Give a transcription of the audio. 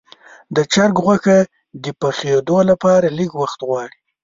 د چرګ غوښه د پخېدو لپاره لږ وخت غواړي.